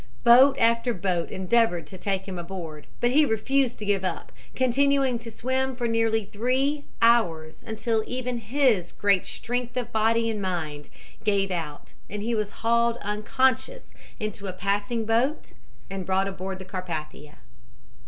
Boat after boat endeavored to take him aboard, but he refused to give up, continuing to swim for nearly three hours until even his great strength of body and mind gave out and he was hauled unconscious into a passing boat and brought aboard the Carpathia.